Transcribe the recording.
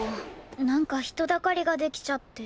なんか人だかりができちゃって。